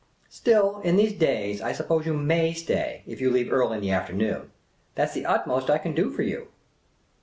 " Still, in these days, I suppose you may stay, if you leave early in the afternoon. That 's the utmost I can do for you."